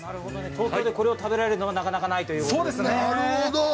東京でこれを食べられるのはなかなかないんですね。